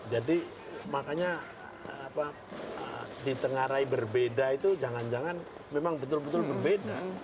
jadi makanya ditengarai berbeda itu jangan jangan memang betul betul berbeda